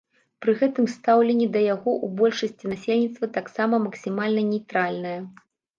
Пры гэтым стаўленне да яго ў большасці насельніцтва таксама максімальна нейтральнае.